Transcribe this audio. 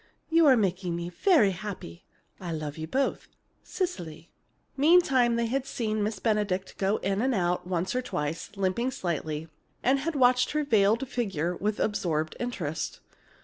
You are making me very happy. I love you both. CECILY. Meantime, they had seen Miss Benedict go in and out once or twice, limping slightly, and had watched her veiled figure with absorbed interest.